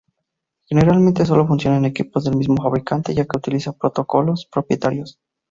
Generalmente solo funciona en equipos del mismo fabricante ya que utiliza protocolos propietarios.